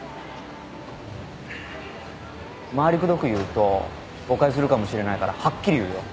回りくどく言うと誤解するかもしれないからはっきり言うよ。